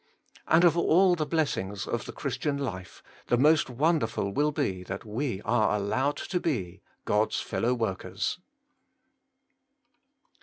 And of all the blessings of the Christian life, the most wonderful will be that we are allowed to be — God's fellow workers